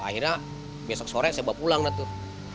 akhirnya besok sore saya bawa pulang lah tuh